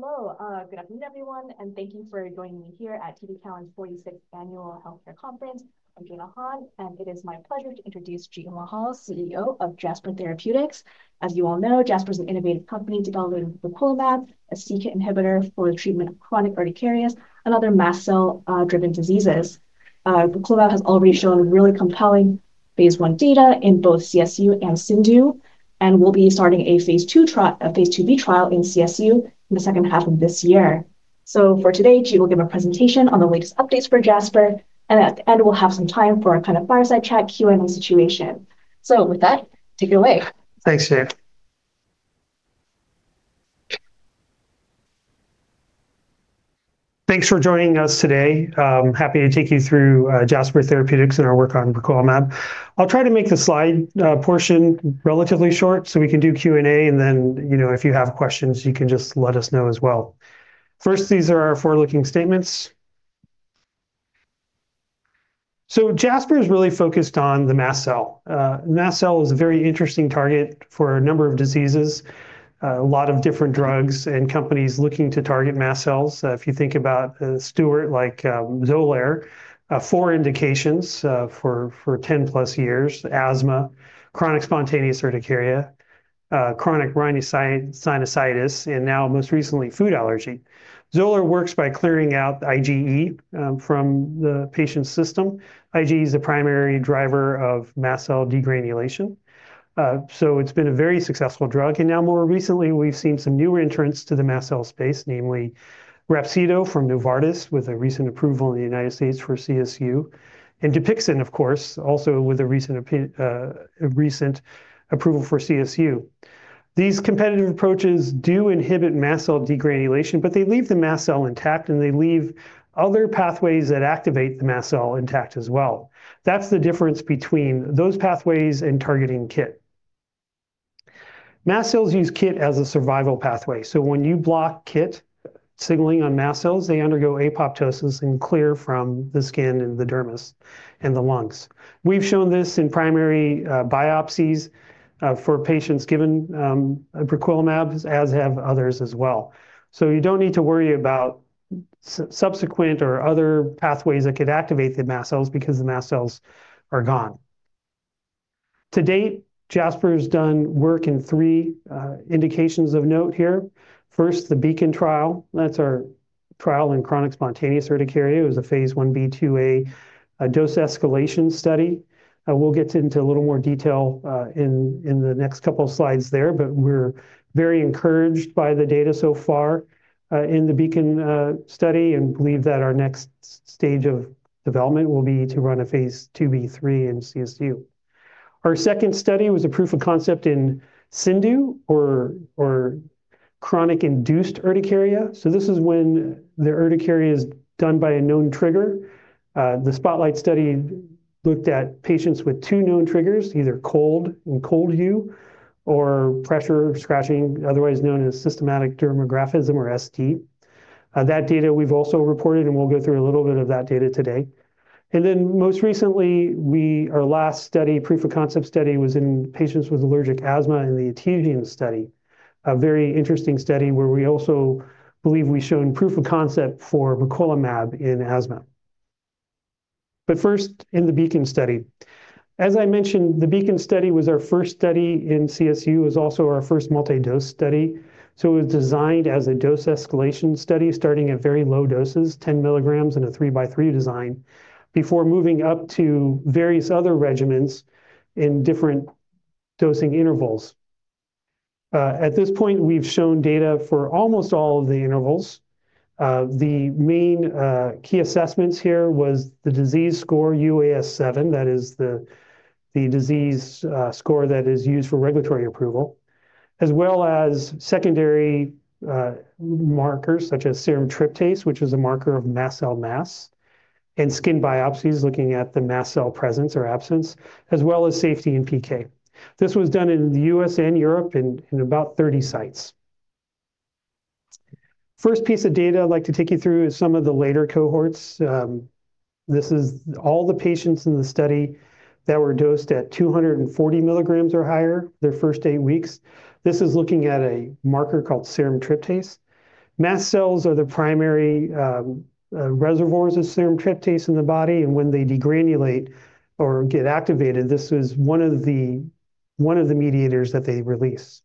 Hello, hello. Good afternoon everyone, and thank you for joining me here at TD Cowen's 46th Annual Healthcare Conference. I'm Gina Han, and it is my pleasure to introduce Jeet Mahal, CEO of Jasper Therapeutics. As you all know, Jasper is an innovative company developing briquilimab, a c-Kit inhibitor for the treatment of chronic urticarias and other mast cell driven diseases. briquilimab has already shown really compelling phase I data in both CSU and CIndU, and we'll be starting a phase II-B trial in CSU in the second half of this year. For today, Jeet will give a presentation on the latest updates for Jasper, and at the end, we'll have some time for a kind of fireside chat Q&A situation. With that, take it away. Thanks, Gina. Thanks for joining us today. Happy to take you through Jasper Therapeutics and our work on briquilimab. I'll try to make the slide portion relatively short, so we can do Q&A, and then, you know, if you have questions, you can just let us know as well. First, these are our forward-looking statements. Jasper is really focused on the mast cell. Mast cell is a very interesting target for a number of diseases. A lot of different drugs and companies looking to target mast cells. If you think about a steward like Xolair, for indications, for 10+ years, asthma, chronic spontaneous urticaria, chronic rhinosinusitis, and now most recently, food allergy. Xolair works by clearing out IgE from the patient's system. IgE is the primary driver of mast cell degranulation. It's been a very successful drug. Now more recently, we've seen some new entrants to the mast cell space, namely Rhapsido from Novartis, with a recent approval in the United States for CSU, and DUPIXENT, of course, also with a recent approval for CSU. These competitive approaches do inhibit mast cell degranulation, but they leave the mast cell intact, and they leave other pathways that activate the mast cell intact as well. That's the difference between those pathways and targeting KIT. Mast cells use KIT as a survival pathway. When you block KIT signaling on mast cells, they undergo apoptosis and clear from the skin and the dermis and the lungs. We've shown this in primary biopsies for patients given briquilimab, as have others as well. You don't need to worry about subsequent or other pathways that could activate the mast cells because the mast cells are gone. To date, Jasper's done work in three indications of note here. First, the BEACON trial. That's our trial in chronic spontaneous urticaria. It was a phase I-B/II-A, a dose escalation study. We'll get into a little more detail in the next couple of slides there, but we're very encouraged by the data so far in the BEACON study and believe that our next stage of development will be to run a phase II-B/III in CSU. Our second study was a proof of concept in CIndU or chronic inducible urticaria. This is when the urticaria is done by a known trigger. The SPOTLIGHT study looked at patients with two known triggers, either cold and cold urticaria or pressure, scratching, otherwise known as symptomatic dermographism or ST. That data we've also reported, and we'll go through a little bit of that data today. Most recently, our last study, proof of concept study, was in patients with allergic asthma in the ETEOSIAN study. A very interesting study where we also believe we've shown proof of concept for briquilimab in asthma. First in the BEACON study. As I mentioned, the BEACON study was our first study in CSU. It was also our first multi-dose study. It was designed as a dose escalation study, starting at very low doses, 10 mg in a three-by-three design, before moving up to various other regimens in different dosing intervals. At this point, we've shown data for almost all of the intervals. The main key assessments here was the disease score UAS7. That is the disease score that is used for regulatory approval, as well as secondary markers such as serum tryptase, which is a marker of mast cell mass, and skin biopsies, looking at the mast cell presence or absence, as well as safety and PK. This was done in the U.S. and Europe in about 30 sites. First piece of data I'd like to take you through is some of the later cohorts. This is all the patients in the study that were dosed at 240 mg or higher their first eight weeks. This is looking at a marker called serum tryptase. Mast cells are the primary reservoirs of serum tryptase in the body. When they degranulate or get activated, this is one of the mediators that they release.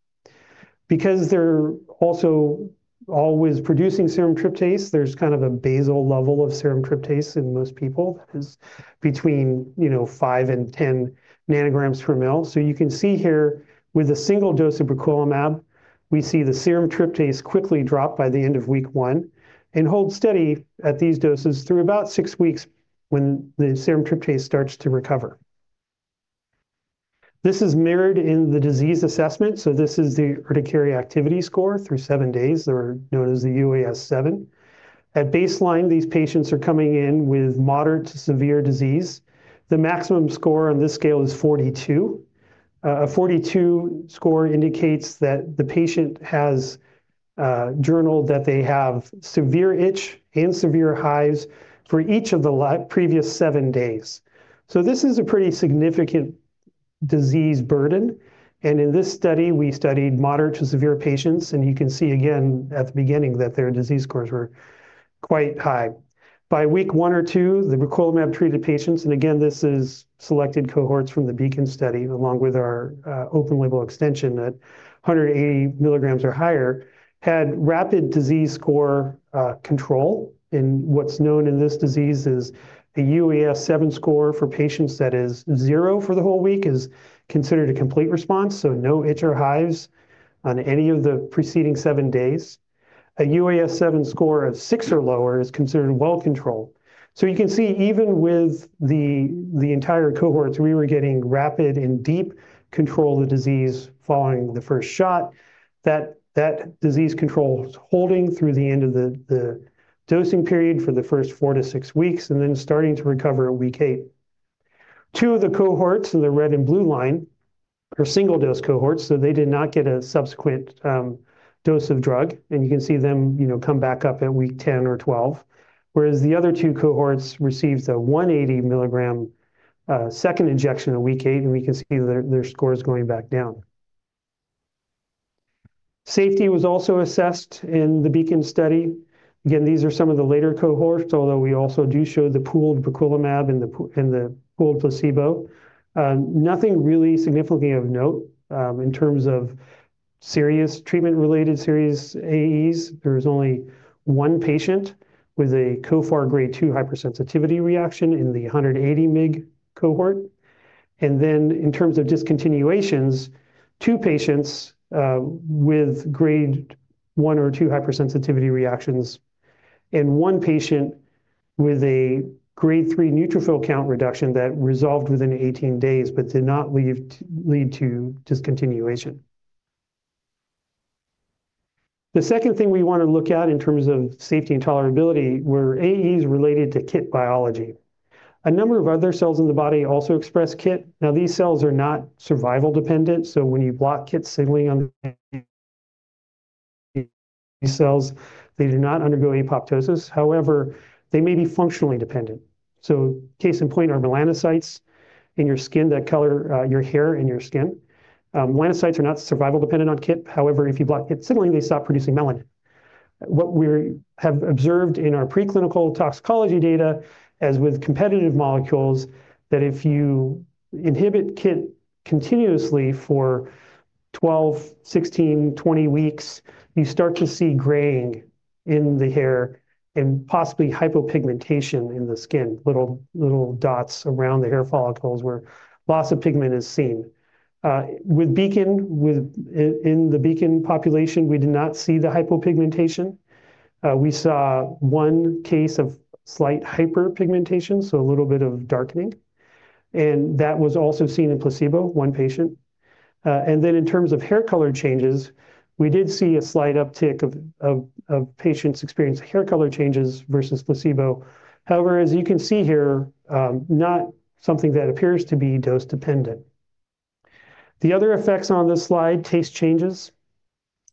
They're also always producing serum tryptase, there's kind of a basal level of serum tryptase in most people. It's between, you know, five and 10 ng per ml. You can see here with a single dose of briquilimab, we see the serum tryptase quickly drop by the end of week one and hold steady at these doses through about six weeks when the serum tryptase starts to recover. This is mirrored in the disease assessment. This is the urticaria activity score through seven days. They're known as the UAS7. At baseline, these patients are coming in with moderate to severe disease. The maximum score on this scale is 42. A 42 score indicates that the patient has journaled that they have severe itch and severe hives for each of the previous seven days. This is a pretty significant disease burden. In this study, we studied moderate to severe patients, and you can see again at the beginning that their disease scores were quite high. By week one or two, the briquilimab treated patients, and again, this is selected cohorts from the BEACON study along with our open label extension at 180 mg or higher, had rapid disease score control in what's known in this disease as a UAS7 score for patients that is zero for the whole week is considered a complete response, so no itch or hives on any of the preceding seven days. A UAS7 score of six or lower is considered well controlled. You can see even with the entire cohorts, we were getting rapid and deep control of the disease following the first shot, that disease control was holding through the end of the dosing period for the first four to six weeks and then starting to recover at week eight. Two of the cohorts in the red and blue line are single-dose cohorts, so they did not get a subsequent dose of drug, and you can see them, you know, come back up at week 10 or 12, whereas the other two cohorts received a 180 mg second injection at week eight, and we can see their scores going back down. Safety was also assessed in the BEACON study. Again, these are some of the later cohorts, although we also do show the pooled briquilimab and the pooled placebo. Nothing really significantly of note, in terms of serious treatment-related, serious AEs. There was only one patient with a CoFAR grade two hypersensitivity reaction in the 180 mg cohort. In terms of discontinuations, two patients with grade one or two hypersensitivity reactions and one patient with a grade three neutrophil count reduction that resolved within 18 days but did not lead to discontinuation. The second thing we want to look at in terms of safety and tolerability were AEs related to KIT biology. A number of other cells in the body also express KIT. Now, these cells are not survival-dependent, so when you block KIT signaling on these cells, they do not undergo apoptosis. However, they may be functionally dependent. Case in point are melanocytes in your skin that color your hair and your skin. melanocytes are not survival-dependent on KIT. However, if you block KIT signaling, they stop producing melanin. What we have observed in our preclinical toxicology data, as with competitive molecules, that if you inhibit KIT continuously for 12, 16, 20 weeks, you start to see graying in the hair and possibly hypopigmentation in the skin, little dots around the hair follicles where loss of pigment is seen. with BEACON, in the BEACON population, we did not see the hypopigmentation. we saw one case of slight hyperpigmentation, so a little bit of darkening, and that was also seen in placebo, one patient. and then in terms of hair color changes, we did see a slight uptick of patients experiencing hair color changes versus placebo. as you can see here, not something that appears to be dose-dependent. The other effects on this slide, taste changes,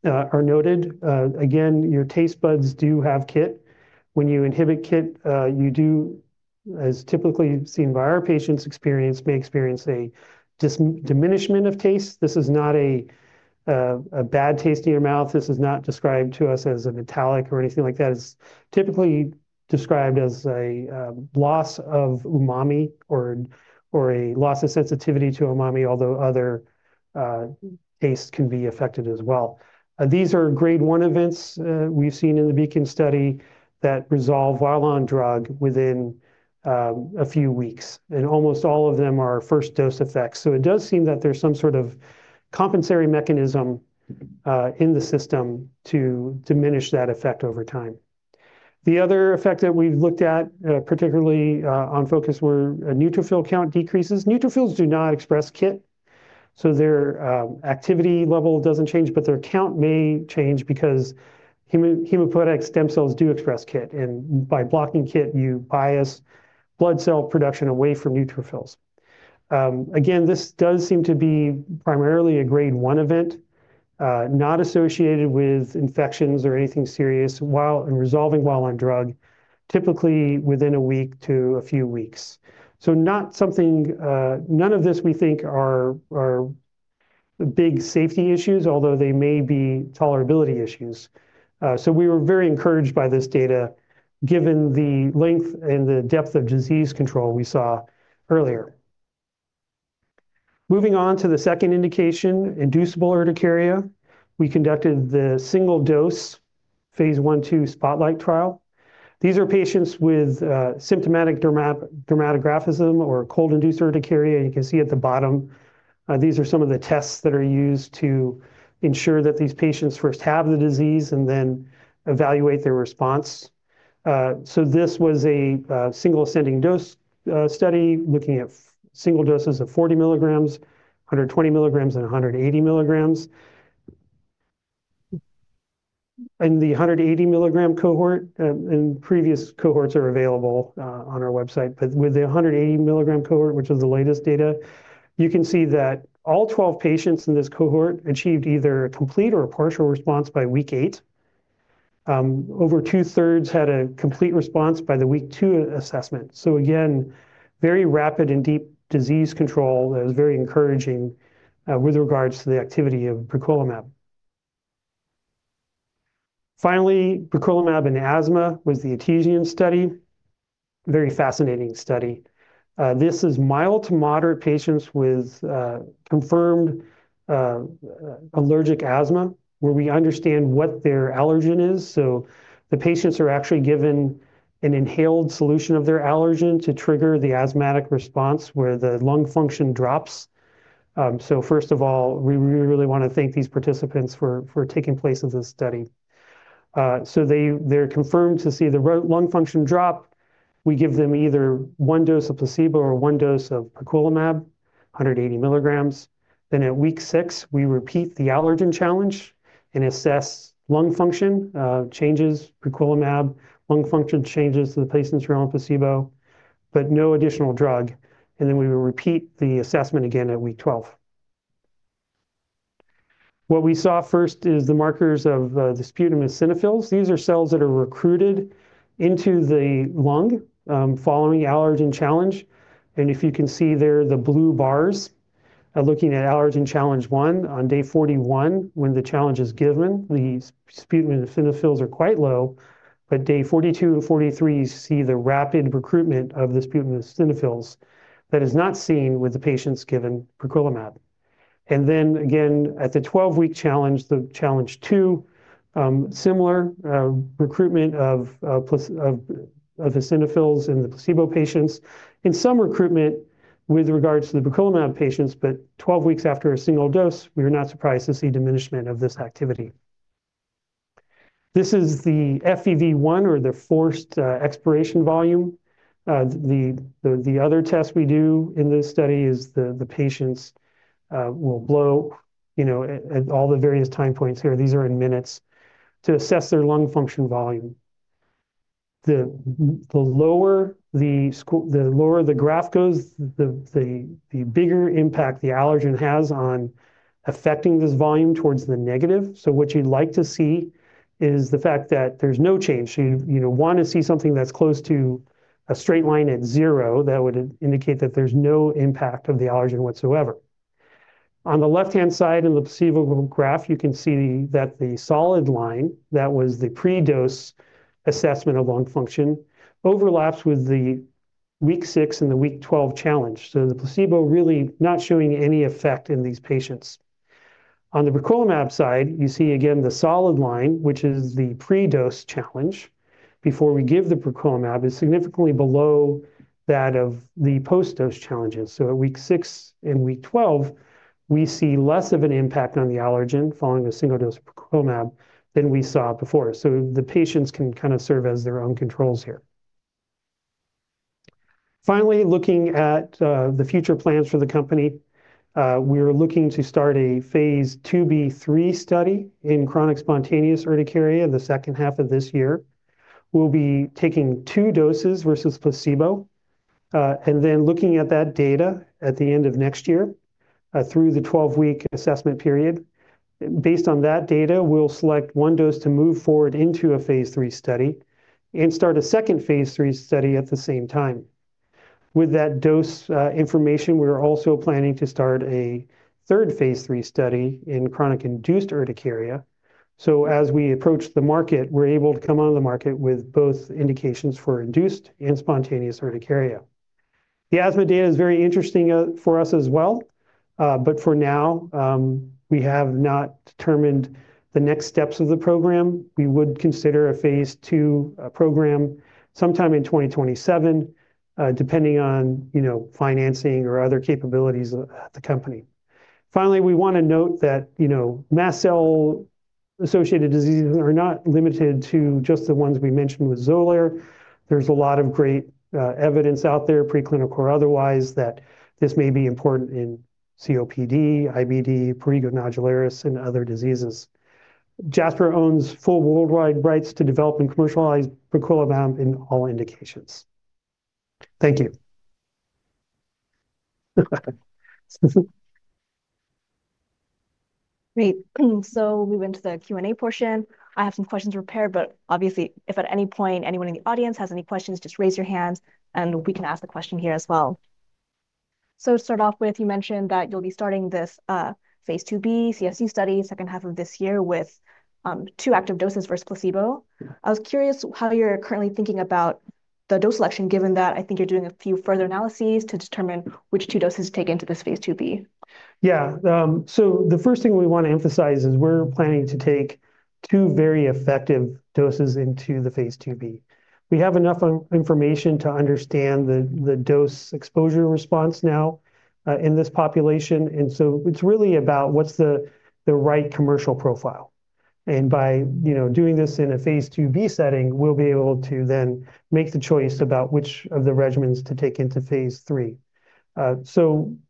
are noted. Again, your taste buds do have KIT. When you inhibit KIT, you do, as typically seen by our patients' experience, may experience a diminishment of taste. This is not a bad taste in your mouth. This is not described to us as metallic or anything like that. It's typically described as a loss of umami or a loss of sensitivity to umami, although other tastes can be affected as well. These are grade one events we've seen in the BEACON study that resolve while on drug within a few weeks, and almost all of them are first dose effects. It does seem that there's some sort of compensatory mechanism in the system to diminish that effect over time. The other effect that we've looked at, particularly, on focus were neutrophil count decreases. Neutrophils do not express KIT, so their activity level doesn't change, but their count may change because hematopoietic stem cells do express KIT, and by blocking KIT, you bias blood cell production away from neutrophils. Again, this does seem to be primarily a grade one event, not associated with infections or anything serious and resolving while on drug, typically within a week to a few weeks. Not something... None of this we think are big safety issues, although they may be tolerability issues. We were very encouraged by this data, given the length and the depth of disease control we saw earlier. Moving on to the second indication, inducible urticaria. We conducted the single-dose phase I/II SPOTLIGHT trial. These are patients with symptomatic dermographism or cold urticaria. You can see at the bottom, these are some of the tests that are used to ensure that these patients first have the disease and then evaluate their response. This was a single ascending dose study looking at single doses of 40 mg, 120 mg, and 180 mg. In the 180 mg cohort, and previous cohorts are available on our website. With the 180 mg cohort, which is the latest data, you can see that all 12 patients in this cohort achieved either a complete or a partial response by week eight. Over 2/3 had a complete response by the week two assessment. Again, very rapid and deep disease control that was very encouraging with regards to the activity of tezepelumab. Finally, tezepelumab in asthma was the ETEOSIAN study. Very fascinating study. This is mild to moderate patients with confirmed allergic asthma where we understand what their allergen is. The patients are actually given an inhaled solution of their allergen to trigger the asthmatic response where the lung function drops. First of all, we really wanna thank these participants for taking place in this study. They're confirmed to see the lung function drop. We give them either one dose of placebo or one dose of tezepelumab, 180 mg. At week six, we repeat the allergen challenge and assess lung function, changes tezepelumab, lung function changes to the patients who are on placebo, but no additional drug. We will repeat the assessment again at week 12. We saw first is the markers of the sputum eosinophils. These are cells that are recruited into the lung following allergen challenge. If you can see there, the blue bars are looking at allergen challenge one. On day 41, when the challenge is given, the sputum eosinophils are quite low. Day 42 and 43, you see the rapid recruitment of the sputum eosinophils that is not seen with the patients given tezepelumab. Then again, at the 12-week challenge, the challenge two, similar, recruitment of eosinophils in the placebo patients, and some recruitment with regards to the tezepelumab patients. 12 weeks after a single dose, we were not surprised to see diminishment of this activity. This is the FEV1 or the forced expiration volume. The other test we do in this study is the patients will blow, you know, at all the various time points here, these are in minutes, to assess their lung function volume. The lower the graph goes, the bigger impact the allergen has on affecting this volume towards the negative. What you'd like to see is the fact that there's no change. You, you know, wanna see something that's close to a straight line at zero. That would indicate that there's no impact of the allergen whatsoever. On the left-hand side in the placebo graph, you can see that the solid line, that was the pre-dose assessment of lung function, overlaps with the week six and the week 12 challenge. The placebo really not showing any effect in these patients. On the tezepelumab side, you see again the solid line, which is the pre-dose challenge. Before we give the tezepelumab, it's significantly below that of the post-dose challenges. At week six and week 12, we see less of an impact on the allergen following a single dose of tezepelumab than we saw before. The patients can kinda serve as their own controls here. Finally, looking at the future plans for the company, we're looking to start a phase II-B/III study in chronic spontaneous urticaria in the second half of this year. We'll be taking two doses versus placebo, and then looking at that data at the end of next year, through the 12-week assessment period. Based on that data, we'll select one dose to move forward into a phase III study and start a second phase III study at the same time. With that dose information, we're also planning to start a third phase III study in chronic inducible urticaria. As we approach the market, we're able to come out of the market with both indications for induced and spontaneous urticaria. The asthma data is very interesting for us as well. For now, we have not determined the next steps of the program. We would consider a phase II program sometime in 2027, depending on, you know, financing or other capabilities at the company. Finally, we wanna note that, you know, mast cell-associated diseases are not limited to just the ones we mentioned with Xolair. There's a lot of great evidence out there, preclinical or otherwise, that this may be important in COPD, IBD, prurigo nodularis, and other diseases. Jasper owns full worldwide rights to develop and commercialize tezepelumab in all indications. Thank you. Great. We went to the Q&A portion. I have some questions prepared, but obviously if at any point anyone in the audience has any questions, just raise your hand and we can ask the question here as well. To start off with, you mentioned that you'll be starting this phase II-B CSU study second half of this year with two active doses versus placebo. Yeah. I was curious how you're currently thinking about the dose selection, given that I think you're doing a few further analyses to determine which two doses to take into this phase II-B? The first thing we wanna emphasize is we're planning to take two very effective doses into the phase II-B. We have enough information to understand the dose exposure response now in this population. It's really about what's the right commercial profile. By, you know, doing this in a phase II-B setting, we'll be able to then make the choice about which of the regimens to take into phase III.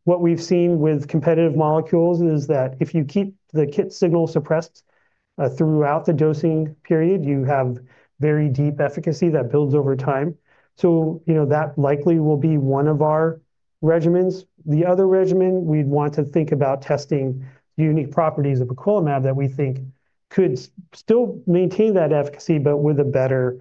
What we've seen with competitive molecules is that if you keep the KIT signal suppressed throughout the dosing period, you have very deep efficacy that builds over time. You know, that likely will be one of our regimens. The other regimen, we'd want to think about testing the unique properties of upacolumab that we think could still maintain that efficacy, but with a better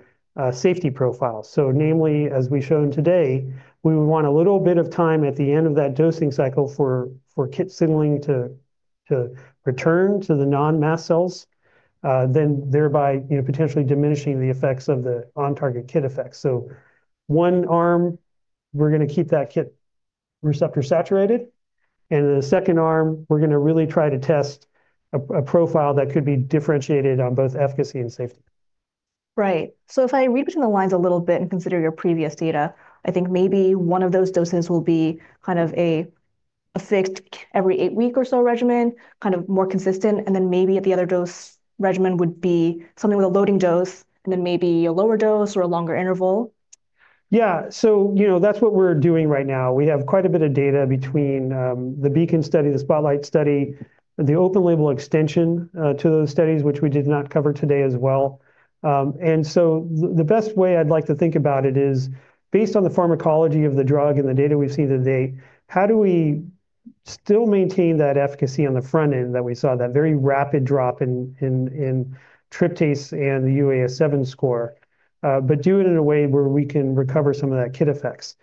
safety profile. namely, as we've shown today, we would want a little bit of time at the end of that dosing cycle for KIT signaling to return to the non-mast cells, then thereby, you know, potentially diminishing the effects of the on target KIT effects. One arm we're gonna keep that KIT receptor saturated, and in the second arm we're gonna really try to test a profile that could be differentiated on both efficacy and safety. Right. If I read between the lines a little bit and consider your previous data, I think maybe one of those doses will be kind of a fixed every eight-week or so regimen, kind of more consistent, and then maybe at the other dose regimen would be something with a loading dose and then maybe a lower dose or a longer interval. Yeah. You know, that's what we're doing right now. We have quite a bit of data between the BEACON study, the SPOTLIGHT study, the open label extension to those studies, which we did not cover today as well. The, the best way I'd like to think about it is based on the pharmacology of the drug and the data we've seen to date, how do we still maintain that efficacy on the front end that we saw, that very rapid drop in tryptase and the UAS7 score, but do it in a way where we can recover some of that KIT effects?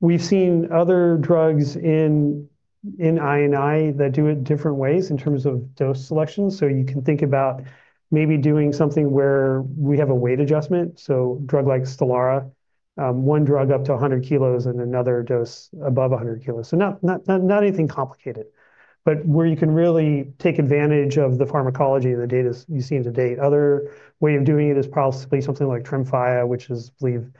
We've seen other drugs in I&I that do it different ways in terms of dose selection. You can think about maybe doing something where we have a weight adjustment, so a drug like STELARA, one drug up to 100 kilos and another dose above 100 kilos. Not anything complicated, but where you can really take advantage of the pharmacology and the data you've seen to date. Other way of doing it is possibly something like TREMFYA, which is, I believe,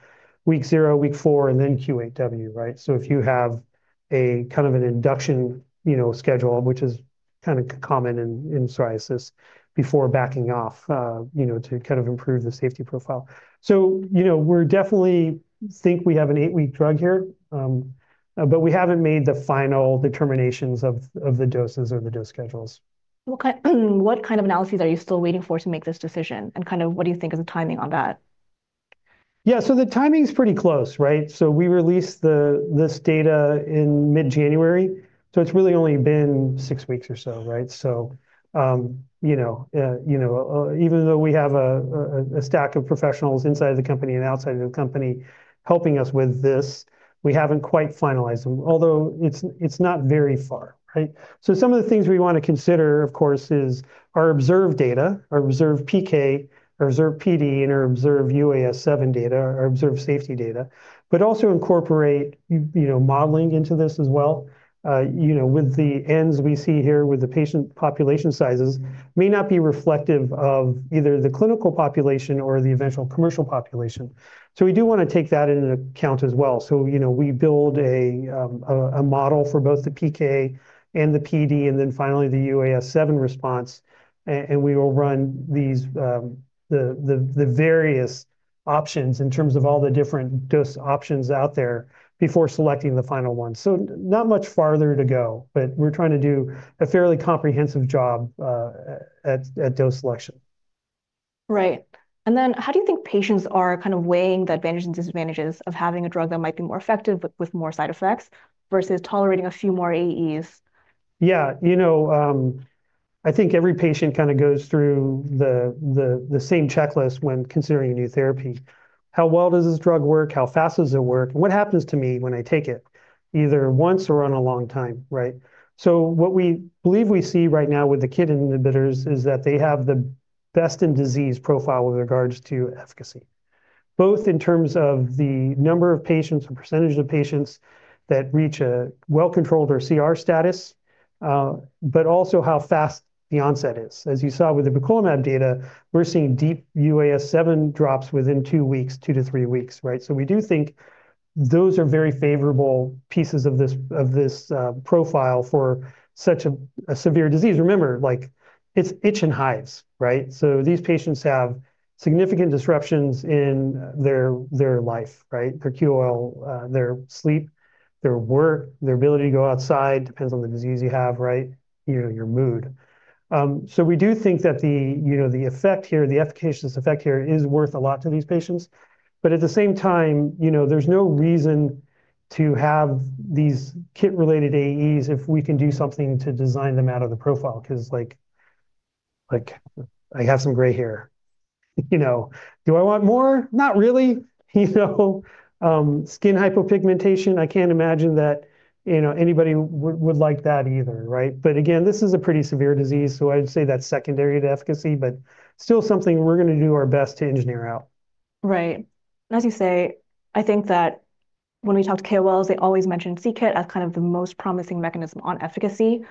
week zero, week four, and then Q8W, right? If you have a kind of an induction, you know, schedule, which is kinda common in psoriasis before backing off, you know, to kind of improve the safety profile. you know, we're definitely think we have an eight-week drug here, but we haven't made the final determinations of the doses or the dose schedules. What kind of analyses are you still waiting for to make this decision, and kind of what do you think is the timing on that? Yeah. The timing's pretty close, right? We released the, this data in mid-January, so it's really only been six weeks or so, right? you know, you know, even though we have a stack of professionals inside the company and outside of the company helping us with this, we haven't quite finalized them, although it's not very far, right? Some of the things we wanna consider, of course, is our observed data, our observed PK, our observed PD, and our observed UAS7 data, our observed safety data, but also incorporate, you know, modeling into this as well. you know, with the ends we see here with the patient population sizes may not be reflective of either the clinical population or the eventual commercial population, so we do wanna take that into account as well. You know, we build a model for both the PK and the PD, and then finally the UAS7 response and we will run these, the various options in terms of all the different dose options out there before selecting the final one. Not much farther to go, but we're trying to do a fairly comprehensive job, at dose selection. Right. How do you think patients are kind of weighing the advantages and disadvantages of having a drug that might be more effective but with more side effects versus tolerating a few more AEs? Yeah. You know, I think every patient kind of goes through the same checklist when considering a new therapy. How well does this drug work? How fast does it work, and what happens to me when I take it either once or on a long time, right? What we believe we see right now with the KIT inhibitors is that they have the best in disease profile with regards to efficacy, both in terms of the number of patients or percentage of patients that reach a well-controlled or CR status, but also how fast the onset is. As you saw with the upacolumab data, we're seeing deep UAS7 drops within two weeks, two to three weeks, right? We do think those are very favorable pieces of this profile for such a severe disease. Remember, like, it's itch and hives, right? These patients have significant disruptions in their life, right? Their KOL, their sleep, their work, their ability to go outside, depends on the disease you have, right, you know, your mood. We do think that the, you know, the effect here, the efficacious effect here is worth a lot to these patients. At the same time, you know, there's no reason to have these KIT-related AEs if we can do something to design them out of the profile 'cause, like, I have some gray hair, you know. Do I want more? Not really, you know. Skin hypopigmentation, I can't imagine that, you know, anybody would like that either, right? Again, this is a pretty severe disease, so I'd say that's secondary to efficacy, but still something we're gonna do our best to engineer out. Right. As you say, I think that when we talk to KOLs, they always mention c-KIT as kind of the most promising mechanism on efficacy.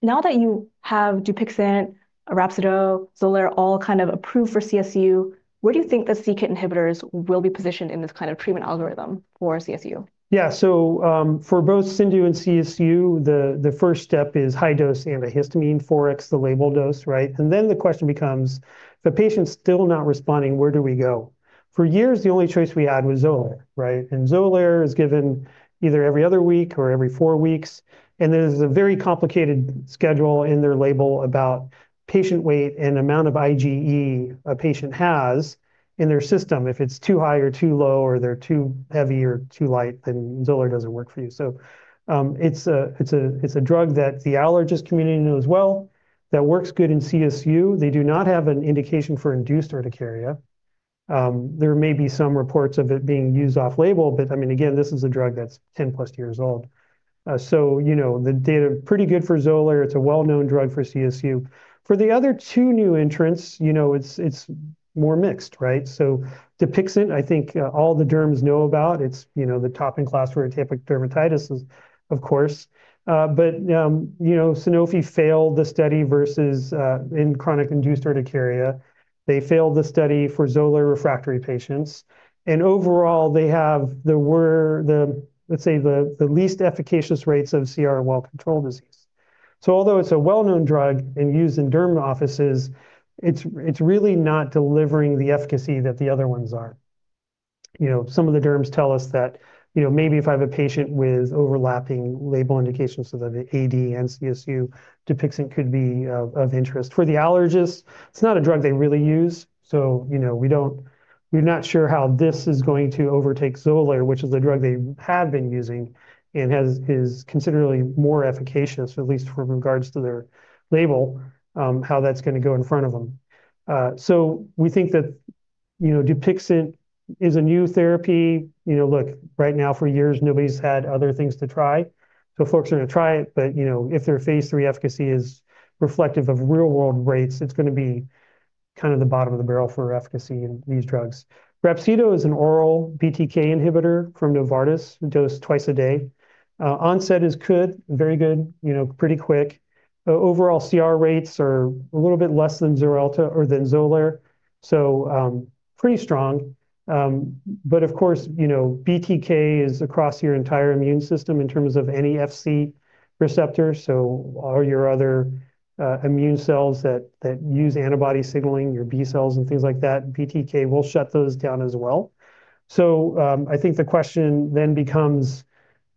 Now that you have DUPIXENT, Rhapsido, XOLAIR all kind of approved for CSU, where do you think the c-KIT inhibitors will be positioned in this kind of treatment algorithm for CSU? Yeah. For both CIndU and CSU, the first step is high-dose antihistamine 4x the label dose, right? The question becomes, if a patient's still not responding, where do we go? For years, the only choice we had was Xolair, right? Xolair is given either every other week or every four weeks, and there's a very complicated schedule in their label about patient weight and amount of IgE a patient has in their system. If it's too high or too low or they're too heavy or too light, then Xolair doesn't work for you. It's a drug that the allergist community knows well-That works good in CSU. They do not have an indication for induced urticaria. There may be some reports of it being used off-label, I mean, again, this is a drug that's 10-plus years old. You know, the data, pretty good for Xolair. It's a well-known drug for CSU. For the other two new entrants, you know, it's more mixed, right? DUPIXENT, I think, all the derms know about. It's, you know, the top in class for atopic dermatitises, of course. You know, Sanofi failed the study versus in chronic inducible urticaria. They failed the study for Xolair refractory patients. Overall, the least efficacious rates of CR well-controlled disease. Although it's a well-known drug and used in derm offices, it's really not delivering the efficacy that the other ones are. You know, some of the derms tell us that, you know, maybe if I have a patient with overlapping label indications, so that'd AD and CSU, DUPIXENT could be of interest. For the allergist, it's not a drug they really use, you know, We're not sure how this is going to overtake Xolair, which is a drug they have been using and has, is considerably more efficacious, at least from in regards to their label, how that's gonna go in front of them. We think that, you know, DUPIXENT is a new therapy. You know, look, right now for years, nobody's had other things to try, folks are gonna try it. You know, if their phase III efficacy is reflective of real world rates, it's gonna be kind of the bottom of the barrel for efficacy in these drugs. Rhapsido is an oral BTK inhibitor from Novartis dosed twice a day. Onset is good, very good, you know, pretty quick. Overall CR rates are a little bit less than Xarelto or than Xolair, pretty strong. Of course, you know, BTK is across your entire immune system in terms of any Fc receptor, all your other immune cells that use antibody signaling, your B cells and things like that, BTK will shut those down as well. I think the question then becomes,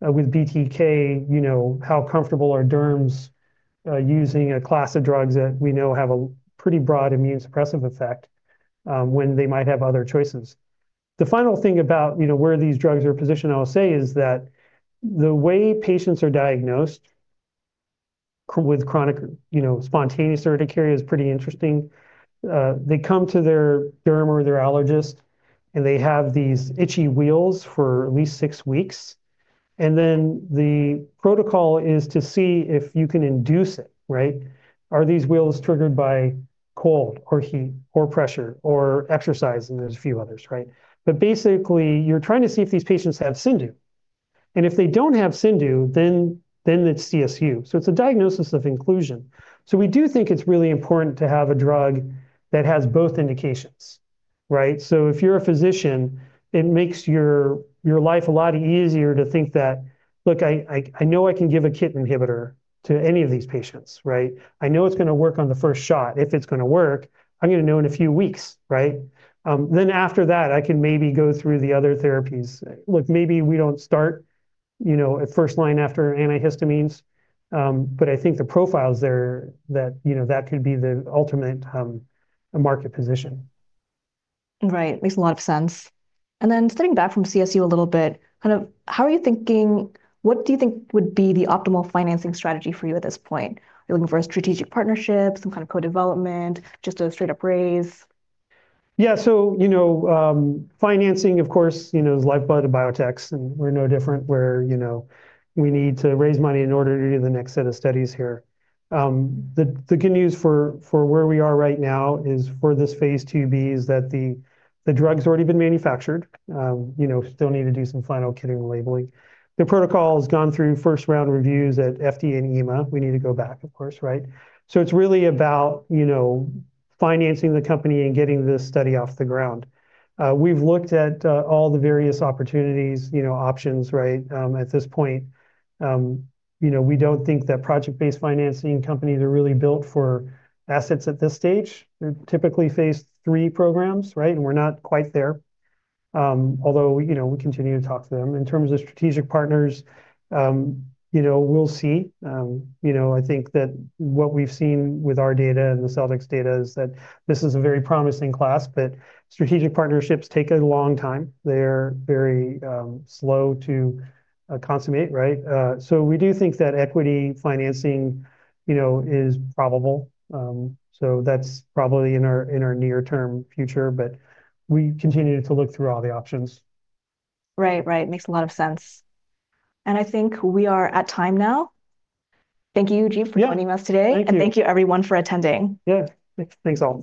with BTK, you know, how comfortable are derms using a class of drugs that we know have a pretty broad immune suppressive effect when they might have other choices? The final thing about, you know, where these drugs are positioned, I'll say, is that the way patients are diagnosed with chronic, you know, spontaneous urticaria is pretty interesting. They come to their derm or their allergist, and they have these itchy wheals for at least six weeks, and then the protocol is to see if you can induce it, right? Are these wheals triggered by cold or heat or pressure or exercise? There's a few others, right? Basically, you're trying to see if these patients have CIndU. If they don't have CIndU, then it's CSU. It's a diagnosis of inclusion. We do think it's really important to have a drug that has both indications, right? If you're a physician, it makes your life a lot easier to think that, "Look, I, I know I can give a c-Kit inhibitor to any of these patients," right? "I know it's gonna work on the first shot. If it's gonna work, I'm gonna know in a few weeks," right? Then after that, I can maybe go through the other therapies. Look, maybe we don't start, you know, at first line after antihistamines, I think the profiles there that, you know, that could be the ultimate, market position. Right. Makes a lot of sense. Stepping back from CSU a little bit, what do you think would be the optimal financing strategy for you at this point? Are you looking for a strategic partnership, some kind of co-development, just a straight-up raise? Yeah. You know, financing of course, you know, is the lifeblood of biotechs, and we're no different. We, you know, we need to raise money in order to do the next set of studies here. The good news for where we are right now is for this phase II-B is that the drug's already been manufactured. You know, still need to do some final kitting and labeling. The protocol's gone through first round reviews at FDA and EMA. We need to go back of course, right? It's really about, you know, financing the company and getting this study off the ground. We've looked at all the various opportunities, you know, options, right? At this point, you know, we don't think that project-based financing companies are really built for assets at this stage. They're typically phase III programs, right? We're not quite there. Although, you know, we continue to talk to them. In terms of strategic partners, you know, we'll see. You know, I think that what we've seen with our data and the Celldex data is that this is a very promising class, but strategic partnerships take a long time. They're very slow to consummate, right? We do think that equity financing, you know, is probable. That's probably in our near term future, but we continue to look through all the options. Right. Right. Makes a lot of sense. I think we are at time now. Thank you, Jeet. Yeah... for joining us today. Thank you. Thank you everyone for attending. Yeah. Thanks. Thanks all.